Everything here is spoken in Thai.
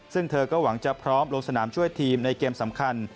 ซึ่งเธอก็หวังจะพร้อมลงสนามช่วยทีมในเกมสำคัญ